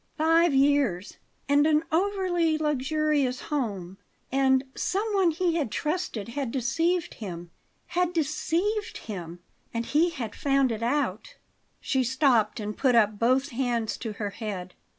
Five years; and an "overluxurious home" and "someone he had trusted had deceived him" had deceived him and he had found it out She stopped and put up both hands to her head.